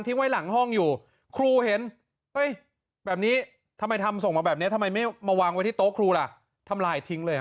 คุณผู้ชมฮะครูหัวร้อนทำเกินไปรึเปล่า